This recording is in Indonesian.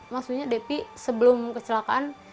maksudnya devi sebelum kecelakaan